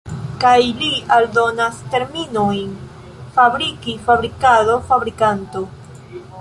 Kaj li aldonas terminojn fabriki, fabrikado, fabrikanto.